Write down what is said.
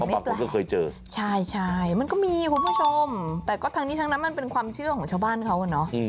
บางคนก็เคยเจอใช่ใช่มันก็มีคุณผู้ชมแต่ก็ทั้งนี้ทั้งนั้นมันเป็นความเชื่อของชาวบ้านเขาอะเนาะ